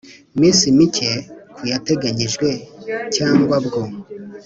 minsi mike ku yateganyijwe cyangwa bwo